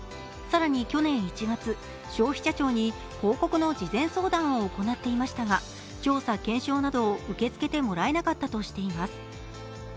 更に去年１月、消費者庁に広告の事前相談を行っていましたが調査検証などを受け付けてもらえなかったとしています。